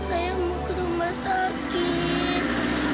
saya mau ke rumah sakit